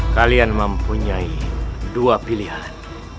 kalian mempunyai dua pilihan